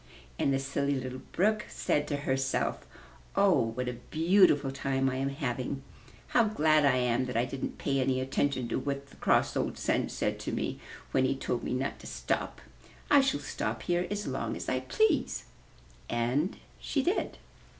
And the Silly Little Brook said to herself, *'0h, what a beautiful time I am having. How glad I am that I didn't pay any attention to what the cross old Sun said to me when he told me not to stop. I shall stop here as long as I please. And she did.